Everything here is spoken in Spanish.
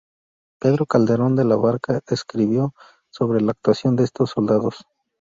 Pedro Calderón de la Barca escribo sobre la actuación de estos soldados.